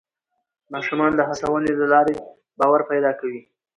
ماشومان د هڅونې له لارې باور پیدا کوي